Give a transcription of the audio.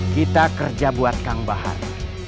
kita kerja buat kang bahar